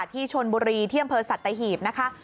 ที่ชนบุรีเที่ยงบริเวณสัตว์ไต้หีบนะคะ